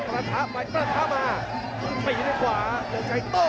ประทะประทะมาปีด้วยขวาเดินใจโต